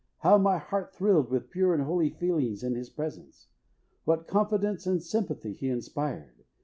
How my heart thrilled with pure and holy feelings in his presence! What confidence and sympathy he inspired!